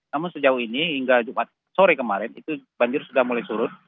namun sejauh ini hingga jumat sore kemarin itu banjir sudah mulai surut